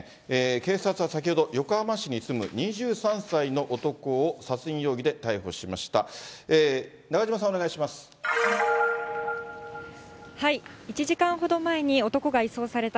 警察は先ほど、横浜市に住む２３歳の男を殺人容疑で逮捕しました。